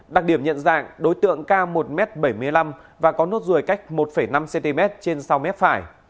đặc điểm nhận dạng đối tượng cao một m bảy mươi năm và có nốt ruồi cách một năm cm trên sau mép phải